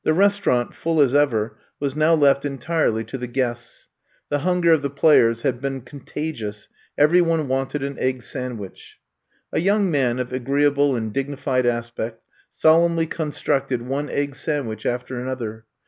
The restaurant, full as ever, was now left 108 I'VE COMB TO STAY entirely to the guests. The hunger of the players had been contagious. Every one wanted an egg sandwich. A young man of agreeable and digni fied aspect solemnly constructed one egg sandwich after another.